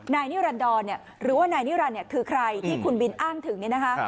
นายนิรันดรหรือว่านายนิรันดรคือใครที่คุณบินอ้างถึง